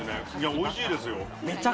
おいしいですよ。